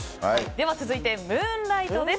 続いて、ムーンライトです。